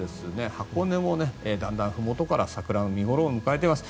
箱根もだんだん、ふもとから桜の見頃を迎えています。